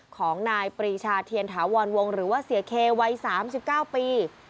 ของนายปรีชาเทียนถาวรวงหรือว่าเสียเควัย๓๙ปี